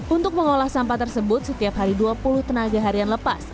untuk mengolah sampah tersebut setiap hari dua puluh tenaga harian lepas